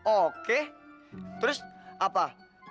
oke terus apa